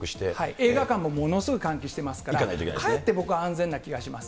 映画館もものすごく換気してますから、かえって僕は安全な気がします。